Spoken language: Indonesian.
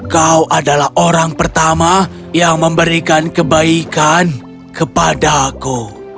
kau adalah orang pertama yang memberikan kebaikan kepadaku